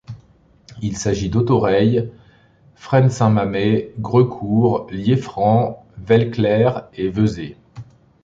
Il s'agit d'Autoreille, Fresne-Saint-Mamès, Greucourt, Lieffrans, Velleclaire et Vezet.